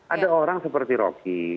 ada orang seperti rocky